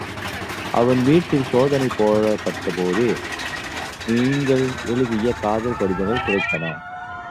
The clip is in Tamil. அவன் வீட்டில் சோதனை போட்டபோது நீங்கள் எழுதிய காதல் கடிதங்கள் கிடைத்தன.